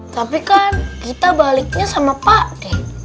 tapi kan kita baliknya sama pak